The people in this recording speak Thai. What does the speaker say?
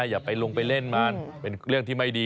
อย่าไปลงไปเล่นมันเป็นเรื่องที่ไม่ดี